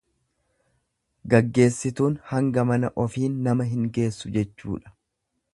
Gaggeessituun hanga mana ofiin nama hin geessu jechuudha.